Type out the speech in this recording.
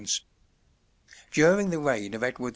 During the reign of Edward VI.